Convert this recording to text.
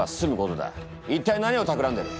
一体何をたくらんでる？